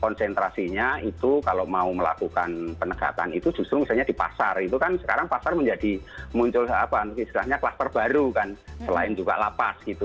konsentrasinya itu kalau mau melakukan penegakan itu justru misalnya di pasar itu kan sekarang pasar menjadi muncul apa istilahnya kluster baru kan selain juga lapas gitu